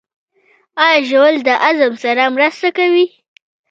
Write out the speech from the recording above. ایا ژوول د هضم سره مرسته کوي؟